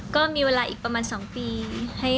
ก็มีเวลาอีกประมาณ๒ปี